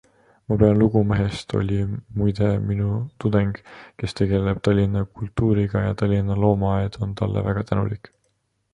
Ma pean lugu mehest - oli muide minu tudeng -, kes tegeleb Tallinna kultuuriga ja Tallinna loomaaed on talle väga tänulik.